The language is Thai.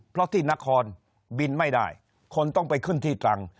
เพราะที่นครบินไม่ได้คนต้องไปขึ้นที่ตรัง